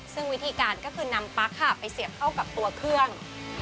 ซึ่งวิธีการก็คือนำปั๊กค่ะไปเสียบเข้ากับตัวเครื่อง